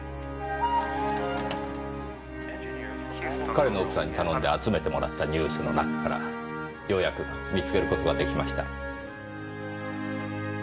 彼の奥さんに頼んで集めてもらったニュースの中からようやく見つける事ができました。